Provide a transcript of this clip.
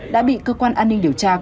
đã bị cơ quan an ninh điều tra công an